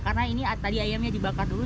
karena ini tadi ayamnya dibakar dulu